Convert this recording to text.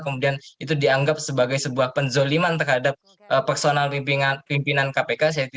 kemudian itu dianggap sebagai sebuah penzoliman terhadap personal pimpinan kpk